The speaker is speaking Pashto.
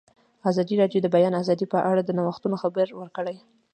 ازادي راډیو د د بیان آزادي په اړه د نوښتونو خبر ورکړی.